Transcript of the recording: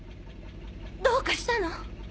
どうかしたの？